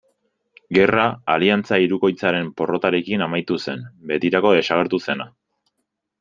Gerra, Aliantza Hirukoitzaren porrotarekin amaitu zen, betirako desagertu zena.